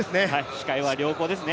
視界は良好ですね。